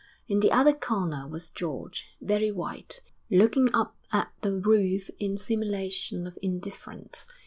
In the other corner was George, very white, looking up at the roof in simulation of indifference.